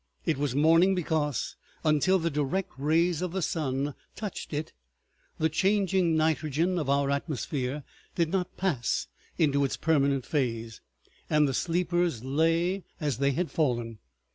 It was morning because, until the direct rays of the sun touched it, the changing nitrogen of our atmosphere did not pass into its permanent phase, and the sleepers lay as they had fallen.